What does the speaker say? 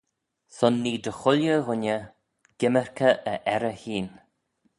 Son nee dy chooilley ghooinney gymmyrkey e errey hene.